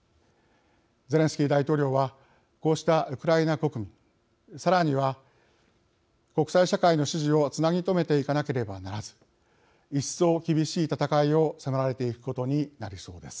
ゼレンスキー大統領はこうしたウクライナ国民さらには、国際社会の支持をつなぎ留めていかなければならず一層、厳しい戦いを迫られていくことになりそうです。